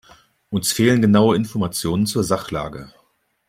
Uns fehlen genaue Informationen zur Sachlage.